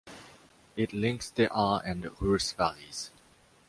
It links the Aar and Reuss valleys.